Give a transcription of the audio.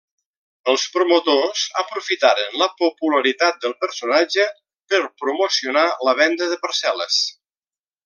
Els promotors aprofitaren la popularitat del personatge per promocionar la venda de parcel·les.